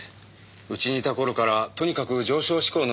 うちにいた頃からとにかく上昇志向の強い子でね。